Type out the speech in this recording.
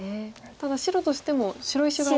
ただ白としても白石が。